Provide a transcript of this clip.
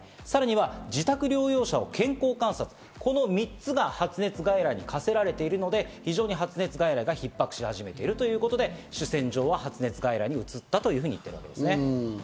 さらには自宅療養者を健康観察、この３つが発熱外来に課せられているので、非常に発熱外来が逼迫し始めているということで主戦場は発熱外来にうつったと言っています。